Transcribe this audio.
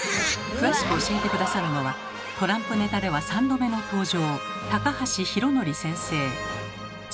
詳しく教えて下さるのはトランプネタでは３度目の登場